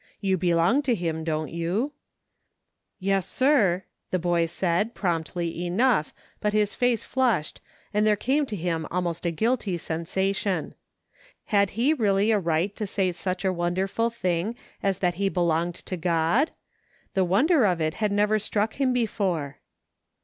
You belong to Him, don't you ?"" Yes, sir," the boy said, promptly enough, but his face flushed, and there came to him almost a guilty sensation. Had he really a right to say such a wonderful thing as that he belonged to God ? The wonder of it had never struck him be fore.